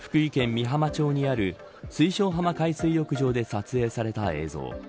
美浜町にある水晶浜海水浴場で撮影された映像。